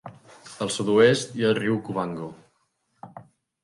Al sud-oest hi ha el riu Cubango.